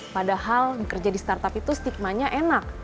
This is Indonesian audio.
padahal bekerja di startup itu stigma nya enak